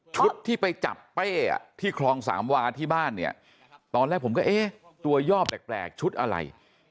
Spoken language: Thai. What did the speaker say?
ที่ไปจับเป้ที่คลองสามวาที่บ้านเนี่ยตอนแรกผมก็เอ๊ะตัวย่อแปลกชุดอะไร